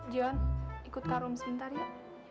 jon ikut ke bilik sementara ya